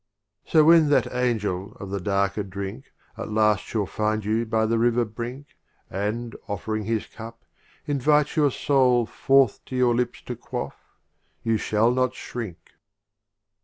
XLIII. So when that Angel of the darker Drink At last shall find you by the river brink, And, offering his Cup, invite your Soul Forth to your Lips to quaff — you shall not shrink.